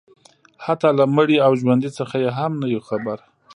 حتی له مړي او ژوندي څخه یې هم نه یو خبر